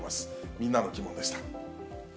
みんなのギモンでした。